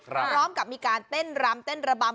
พร้อมกับมีการเต้นรำเต้นระบำ